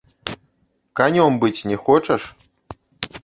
Канём быць не хочаш?